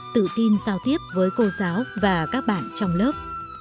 tự tin giao tiếp với cô giáo và các bạn trong lớp